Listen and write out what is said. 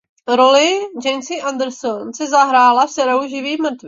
Roli Jessie Anderson si zahrála v seriálu "Živí mrtví".